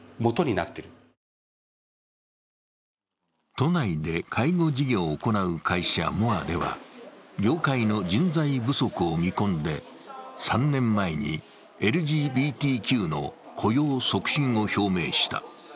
都内で介護事業を行う会社、ｍｏｒｅでは業界の人材不足を見込んで３年前にＬＧＢＴＱの雇用促進を表明した。